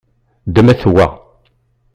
Ddmet wa.